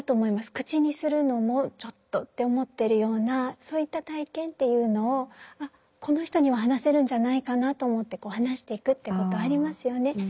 口にするのもちょっとって思ってるようなそういった体験っていうのをこの人には話せるんじゃないかなと思って話していくっていうことありますよね。